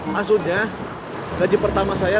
maksudnya gaji pertama saya